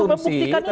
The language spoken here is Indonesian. untuk membuktikan itu